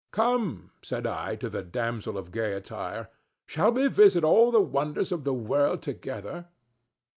"Come," said I to the damsel of gay attire; "shall we visit all the wonders of the world together?"